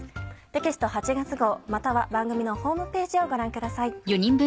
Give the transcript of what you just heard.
テキスト８月号または番組のホームページをご覧ください。